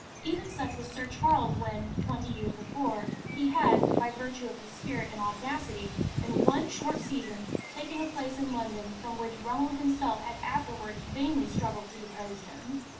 Even such was Sir Charles when, twenty years before, he had, by virtue of his spirit and audacity, in one short season taken a place in London from which Brummell himself had afterwards vainly struggled to depose him.